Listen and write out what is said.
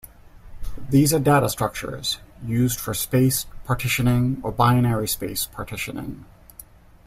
These are data structures used for space partitioning or binary space partitioning.